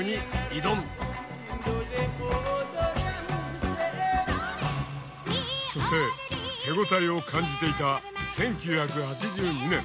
「踊りゃんせ」そして手応えを感じていた１９８２年。